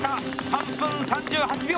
３分３８秒。